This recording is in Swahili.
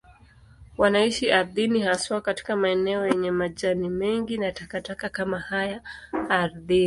Wanaishi ardhini, haswa katika maeneo yenye majani mengi na takataka kama haya ardhini.